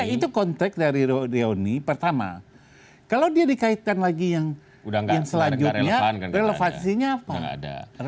itu kontek dari reuni pertama kalau dia dikaitkan lagi yang selanjutnya relevansinya apa